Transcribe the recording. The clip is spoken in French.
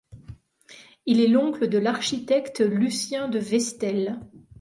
Il est l'oncle de l'architecte Lucien De Vestel.